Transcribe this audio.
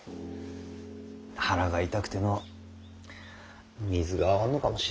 腹が痛くてのう水が合わんのかもしれん。